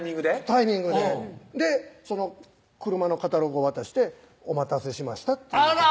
タイミングででその車のカタログを渡して「お待たせしました」っていうあら！